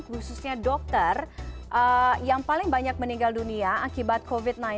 khususnya dokter yang paling banyak meninggal dunia akibat covid sembilan belas